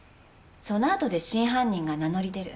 そのあとで真犯人が名乗り出る。